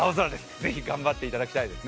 ぜひ頑張っていただきたいですね。